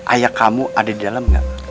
ayah kamu ada di dalam gak